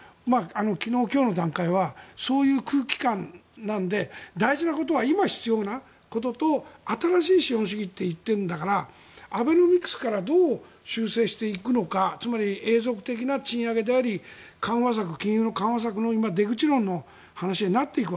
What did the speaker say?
昨日今日の段階はそういう空気感なので大事なことは今、必要なことと新しい資本主義って言っているんだからアベノミクスからどう修正していくのかつまり永続的な賃上げであり金融の緩和策の今、出口論の話になっていく。